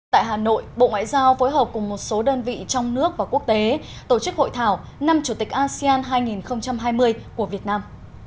tại hà nội bộ ngoại giao phối hợp cùng một số đơn vị trong nước và quốc tế tổ chức hội thảo năm chủ tịch asean hai nghìn hai mươi của việt nam